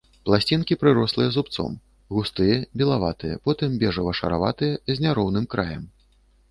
Пласцінкі прырослыя зубцом, густыя, белаватыя, потым бежава-шараватыя, з няроўным краем.